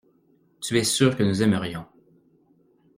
Tu es sûr que nous aimerions.